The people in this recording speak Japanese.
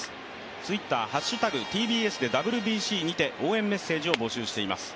Ｔｗｉｔｔｅｒ「＃ＴＢＳＷＢＣ」にて応援メッセージを募集しています。